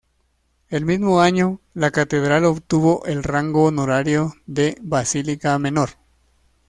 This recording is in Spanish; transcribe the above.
El mismo año, la catedral obtuvo el rango honorario de Basílica Menor.